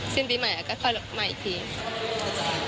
สิ้นปีใหม่ก็ค่อยมาอีกที